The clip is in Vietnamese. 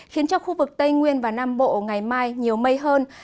khiến cho khu vực tây nguyên và nam bộ ngày mai nhiều mây hơn